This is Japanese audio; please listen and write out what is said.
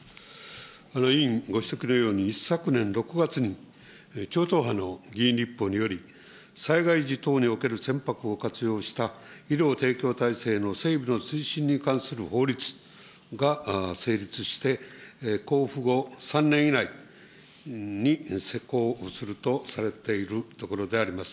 委員ご指摘のように、一昨年６月に超党派の議員立法により、災害時等における船舶を活用した、医療提供体制の整備の推進に関する法律が成立して、こうふ後３年以内に施行するとされているところであります。